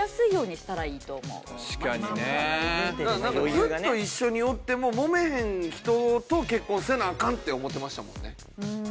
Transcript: ずっと一緒におってももめへん人と結婚せなアカンって思ってましたもんね。